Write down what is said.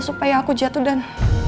supaya aku jatuh dan